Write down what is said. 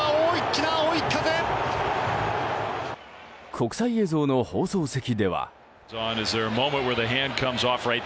国際映像の放送席では。